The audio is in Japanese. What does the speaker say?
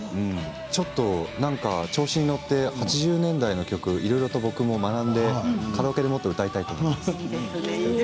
ちょっと調子に乗って８０年代の曲をいろいろと僕も学んで、カラオケでもっと歌いたいなと思います。